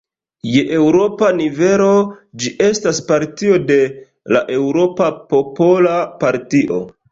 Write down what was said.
Je eŭropa nivelo, ĝi estas partio de la Eŭropa Popola Partio.